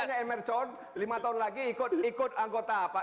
makanya emerson lima tahun lagi ikut anggota apa